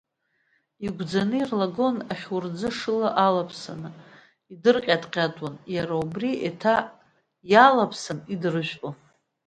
Игәӡаны ирлагон, ахьурӡы ашыла алаԥсаны идырҟьатҟьатуан, иара убри еиҭа иалаԥсаны идыржәпон.